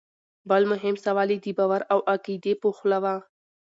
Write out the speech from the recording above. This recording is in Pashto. بل مهم سوال ئې د باور او عقيدې پۀ حواله وۀ